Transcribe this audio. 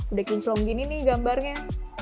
udah kinclong gini nih gambarnya